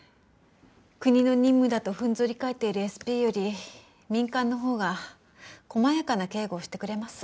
国の任務だとふんぞり返っているＳＰより民間のほうが細やかな警護をしてくれます。